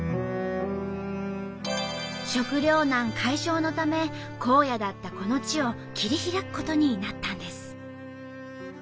食糧難解消のため荒野だったこの地を切り開くことになったんです。